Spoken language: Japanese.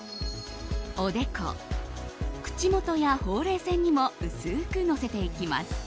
おでこ、口元やほうれい線にも薄くのせていきます。